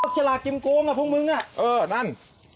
พี่ชะลาดจิ้มโกงอะพวกมึงเอ้อนั่น